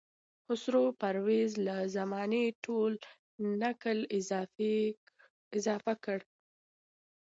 خسرو پرویز له زمانې ټول نکل اضافه کړ.